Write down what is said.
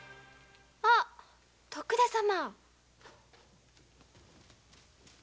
あっ徳田様！